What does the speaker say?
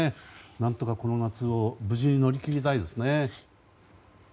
何とかこの夏を無事に乗り切りたいですね。